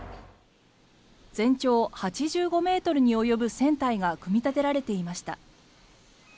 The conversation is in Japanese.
全長８５ｍに及ぶ船体が組み立てられていました。